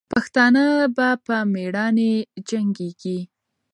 پښتانه به په میړانې جنګېږي.